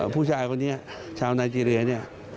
ผู้ชายคนนี้ชาวไนเจรียเนี่ย